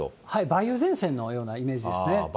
梅雨前線のようなイメージですね。